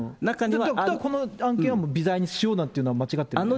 この案件は、微罪にしようなんていうのは間違ってるんですか？